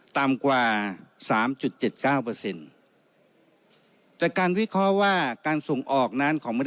ต่ำกว่า๓๗๙เปอร์เซ็นต์แต่การวิเคราะห์ว่าการส่งออกนั้นของเมือง